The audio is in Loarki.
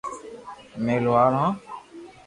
امي لوھار ھون